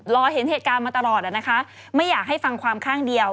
รอเห็นเหตุการณ์มาตลอดนะคะไม่อยากให้ฟังความข้างเดียว